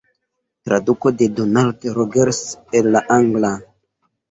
Traduko de Donald Rogers el la angla.